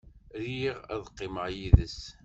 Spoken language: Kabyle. Riɣ ad qqimeɣ yid-s.